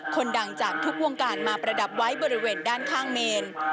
คนดังจากทุกวงการมาประดับไว้บริเวณด้านข้างเมน